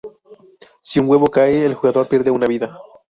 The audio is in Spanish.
Si un huevo cae, el jugador pierde una vida.